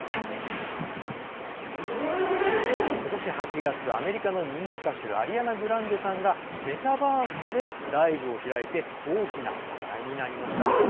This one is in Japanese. ことし８月、アメリカの人気歌手アリアナ・グランデさんがメタバースでライブを開いて大きな話題になりました。